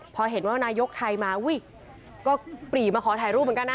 พอเห็นว่านายกไทยมาอุ้ยก็ปรีมาขอถ่ายรูปเหมือนกันนะ